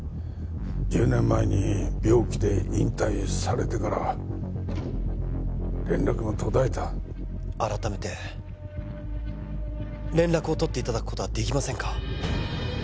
１０年前に病気で引退されてから連絡も途絶えた改めて連絡を取っていただくことはできませんか？